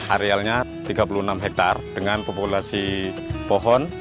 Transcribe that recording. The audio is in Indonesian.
arealnya tiga puluh enam hektare dengan populasi pohon